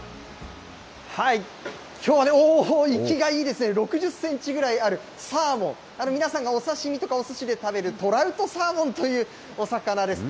きょうは、おー、生きがいいですね、６０センチぐらいあるサーモン、皆さんがお刺身とかおすしで食べるトラウトサーモンというお魚です。